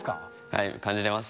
はい感じてます。